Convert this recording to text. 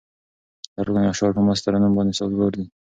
لرغوني اشعار په مست ترنم باندې سازګار دي.